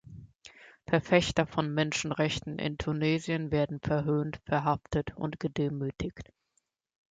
Verfechter von Menschenrechten in Tunesien werden verhöhnt, verhaftet und gedemütigt.